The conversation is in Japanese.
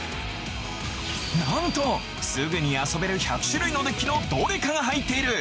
なんとすぐに遊べる１００種類のデッキのどれかが入っている。